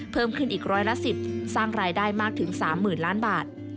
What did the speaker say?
เพิ่มขึ้นอีกร้อยละ๑๐สร้างรายได้มากถึง๓๐๐๐ล้านบาท